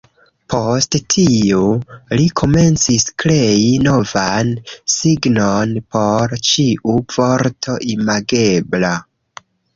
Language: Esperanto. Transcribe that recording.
Post tio, li komencis krei novan signon por ĉiu vorto imagebla.